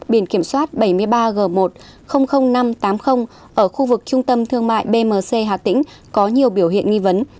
biển kiểm soát bảy mươi ba g một năm trăm tám mươi ở khu vực trung tâm thương mại bmc hà tĩnh có nhiều biểu hiện nghi vấn